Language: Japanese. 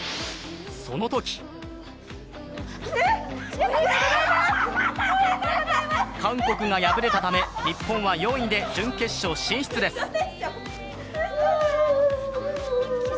そのとき韓国が敗れたため、日本は４位で準決勝進出です。